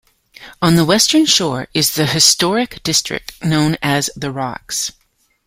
On the western shore is the historic district known as The Rocks.